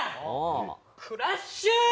クラッシュ！